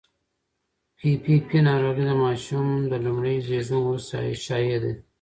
پي پي پي ناروغي د ماشوم د لومړي زېږون وروسته شایع ده.